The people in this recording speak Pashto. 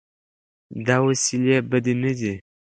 دا وسیلې بدې نه دي.